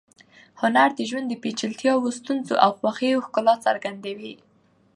هنر د ژوند د پیچلتیاوو، ستونزو او خوښیو ښکلا څرګندوي.